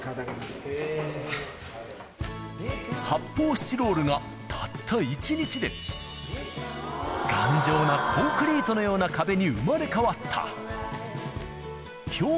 発泡スチロールがたった１日で、頑丈なコンクリートのような壁に生まれ変わった。